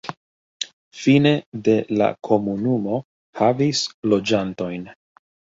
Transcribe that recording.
Fine de la komunumo havis loĝantojn.